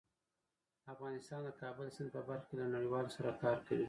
افغانستان د کابل سیند په برخه کې له نړیوالو سره کار کوي.